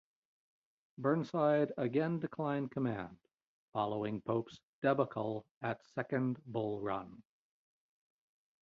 Burnside again declined command following Pope's debacle at Second Bull Run.